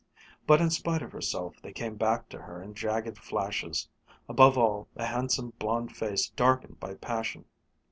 But in spite of herself they came back to her in jagged flashes above all, the handsome blond face darkened by passion.